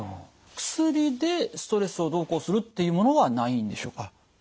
薬でストレスをどうこうするっていうものはないんでしょうか？